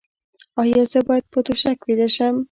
ایا زه باید په توشک ویده شم؟